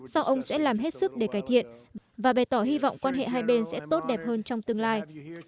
sau ông sẽ làm hết sức để cải thiện và bày tỏ hy vọng quan hệ hai bên sẽ tốt đẹp hơn trong tương lai